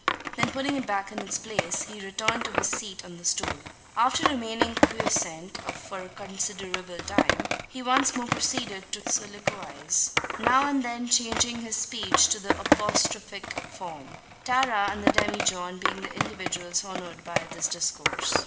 Then putting it back in its place, he returned to his seat on the stool. After remaining quiescent for a considerable time, he once more proceeded to soliloquise now and then changing his speech to the apostrophic form Tara and the demijohn being the individuals honoured by his discourse.